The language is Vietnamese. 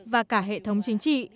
và cả hệ thống chính trị